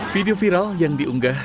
video viral yang diunggah